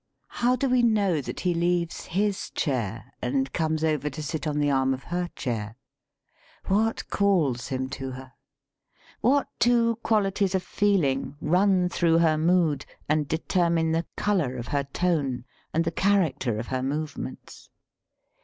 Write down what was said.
How do we know that he leaves his chair and comes over to sit on the arm of her chair ? What calls him to her? What two qualities of feeling run through her mood and determine the color of her tone and the character of her move ments.